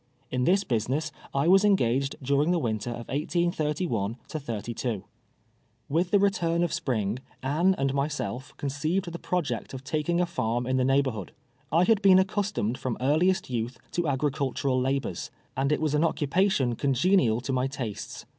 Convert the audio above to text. In this business I was engaged during the winter of 1831 32. With the return of spring, Anne and myself con ceived the project of taking a farm in the neighbor hood. I had been accustomed fi'om earliest youth to agricultural labors, and it was an occupation conge nial to my tastes.